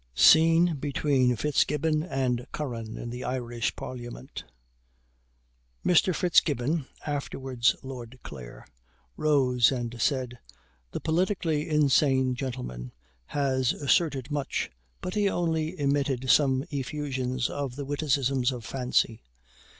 SCENE BETWEEN FITZGIBBON AND CURRAN IN THE IRISH PARLIAMENT. Mr. Fitzgibbon (afterwards Lord Clare) rose and said: "The politically insane gentleman has asserted much, but he only emitted some effusions of the witticisms of fancy.